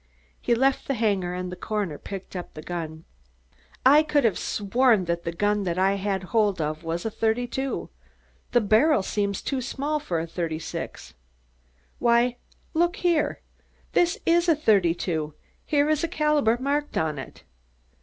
He left the hangar and the coroner picked up the gun. "I could have sworn that the gun I had hold of was a 32. The barrel seems too small for a 36. Why, look here! This is a 32. Here is the caliber marked on it."